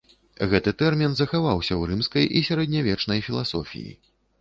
Гэты тэрмін захаваўся ў рымскай і сярэднявечнай філасофіі.